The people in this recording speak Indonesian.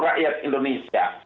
sangat banyak rakyat indonesia